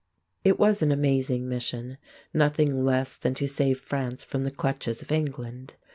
It was an amazing mission; nothing less than to save France from the clutches of England.